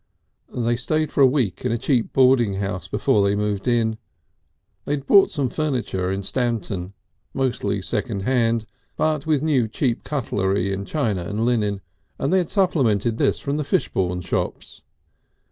They stayed for a week in a cheap boarding house before they moved in. They had bought some furniture in Stamton, mostly second hand, but with new cheap cutlery and china and linen, and they had supplemented this from the Fishbourne shops.